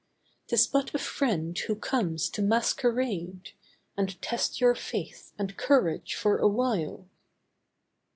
'Tis but a friend who comes to masquerade. And test your faith and courage for awhile.